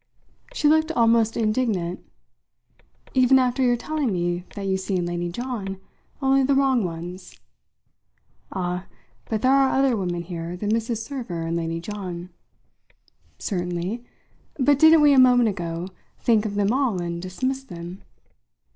She looked almost indignant. "Even after your telling me that you see in Lady John only the wrong ones?" "Ah, but there are other women here than Mrs. Server and Lady John." "Certainly. But didn't we, a moment ago, think of them all and dismiss them?